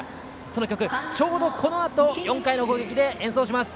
その曲ちょうどこのあと４回の攻撃で演奏します。